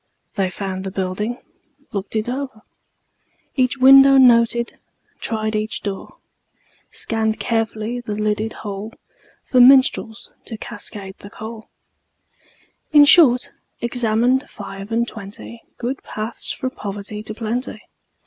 They found the building, looked it o'er, Each window noted, tried each door, Scanned carefully the lidded hole For minstrels to cascade the coal In short, examined five and twenty Good paths from poverty to plenty.